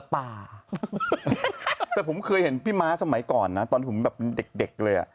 แต่ผมเคยเห็นพี่ม้าสมัยก่อนนะตอนที่ผมแบบเป็นเด็กเลยอ่ะ